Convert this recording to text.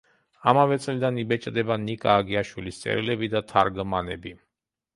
ამავე წლიდან იბეჭდება ნიკა აგიაშვილის წერილები და თარგმანები.